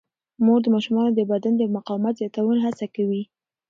مور د ماشومانو د بدن د مقاومت زیاتولو هڅه کوي.